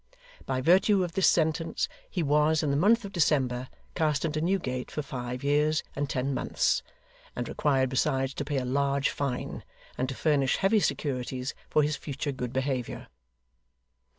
By virtue of this sentence he was, in the month of December, cast into Newgate for five years and ten months, and required besides to pay a large fine, and to furnish heavy securities for his future good behaviour.